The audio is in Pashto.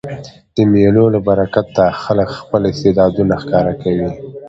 د مېلو له برکته خلک خپل استعدادونه ښکاره کوي.